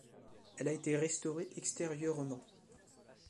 Elle a été restaurée extérieurement.